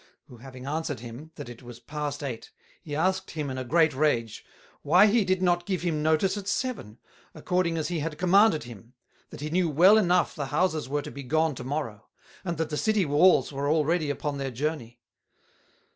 who having answered him, that it was past Eight, he asked him in a great Rage, Why he did not give him notice at Seven, according as he had commanded him; that he knew well enough the Houses were to be gone to Morrow; and that the City Walls were already upon their Journey?